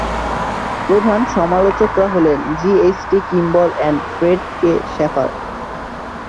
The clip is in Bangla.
প্রধান সমালোচকরা হলেন জি এইচ-টি-কিম্বল এবং ফ্রেড কে-শ্যাফার।